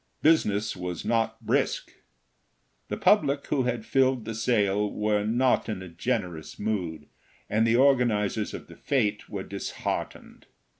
Business was not brisk. The public who had filled the sale were not in a generous mood, and the organizers of the fête were disheartened.